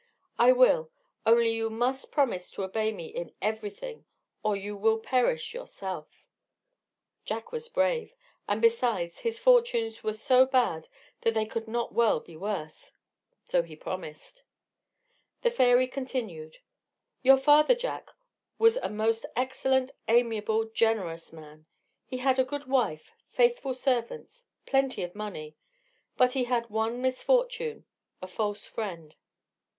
"I will; only you must promise to obey me in everything, or you will perish yourself." Jack was brave, and, besides, his fortunes were so bad they could not well be worse so he promised. The fairy continued: "Your father, Jack, was a most excellent, amiable, generous man. He had a good wife, faithful servants, plenty of money; but he had one misfortune a false friend.